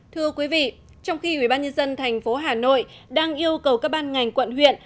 thưa quý vị trong khi ubnd tp hà nội đang yêu cầu các ban ngành quận huyện